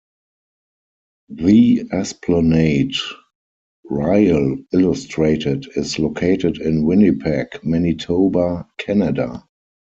The Esplanade Riel illustrated is located in Winnipeg, Manitoba, Canada.